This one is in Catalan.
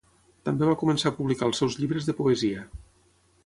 També va començar a publicar els seus llibres de poesia.